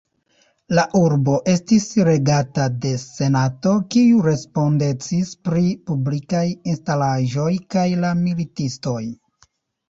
La urbo estis regata de Senato, kiu respondecis pri publikaj instalaĵoj kaj la militistoj.